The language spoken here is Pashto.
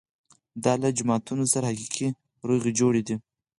دا له جماعتونو سره حقیقي روغې جوړې ده.